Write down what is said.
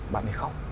bạn ấy khóc